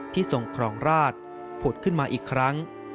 ทรงครองราชผุดขึ้นมาอีกครั้ง